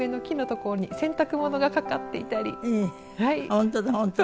本当だ本当だ。